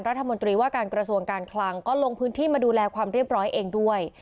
รัฐมนตรีว่าการกระทรวงการคลังก็ลงพื้นที่มาดูแลความเรียบร้อยเองด้วย